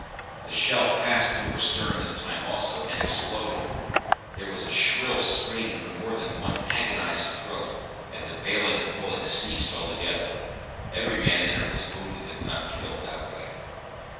The shell passed through her stern this time also, and exploded; there was a shrill scream from more than one agonised throat, and the baling and pulling ceased altogether; every man in her was wounded, if not killed outright.